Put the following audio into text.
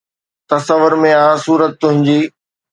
تصور ۾ آ صورت تنهنجي